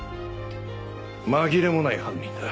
紛れもない犯人だ。